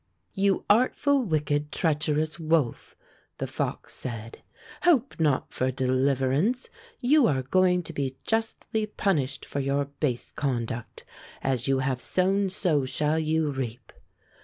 ^" "You artful, wicked, treacherous wolf!" the fox said, "hope not for deliverance. You are going to be justly punished for your base conduct. As you have sown so shall you reap."